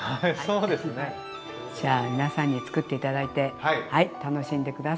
じゃあ皆さんに作って頂いて楽しんで下さい。